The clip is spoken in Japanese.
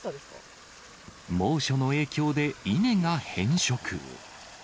猛暑の影響で稲が変色。